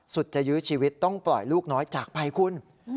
สุดจะยื้อชีวิตต้องปล่อยลูกน้อยจากไปคุณ